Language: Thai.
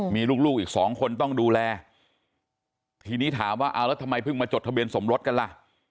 มีลูกลูกอีกสองคนต้องดูแลทีนี้ถามว่าเอาแล้วทำไมเพิ่งมาจดทะเบียนสมรสกันล่ะ